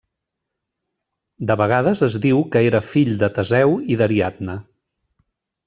De vegades es diu que era fill de Teseu i d'Ariadna.